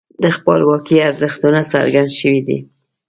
د خپلواکۍ ارزښتونه څرګند شوي دي.